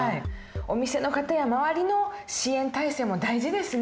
お店の方や周りの支援体制も大事ですね。